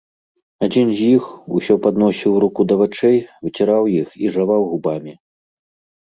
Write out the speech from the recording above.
Адзін з іх усё падносіў руку да вачэй, выціраў іх і жаваў губамі.